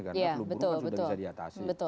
karena peluburung kan sudah bisa diatasi